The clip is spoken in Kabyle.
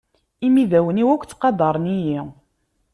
Imidawen-iw akk ttqadaren-iyi.